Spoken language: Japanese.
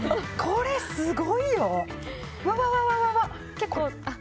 これすごいよ。